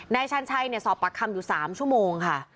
ชันชัยสอบปากคำอยู่๓ชั่วโมงค่ะ